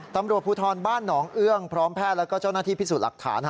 ตำรวจภูทรบ้านหนองเอื้องพร้อมแพทย์และเจ้าหน้าที่พิสูจน์หลักฐาน